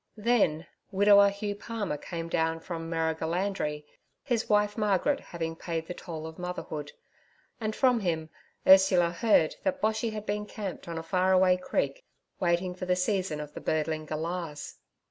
Then widower Hugh Palmer came down from Merrigulandri, his wife Margaret having paid the toll of motherhood; and from him Ursula heard that Boshy had been camped on a far away creek, waiting for the season of the birdling Galahs.